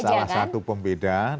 itu salah satu pembedaan